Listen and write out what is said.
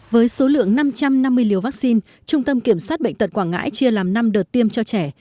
với số lượng năm trăm năm mươi liều vaccine trung tâm kiểm soát bệnh tật quảng ngãi chia làm năm đợt tiêm cho trẻ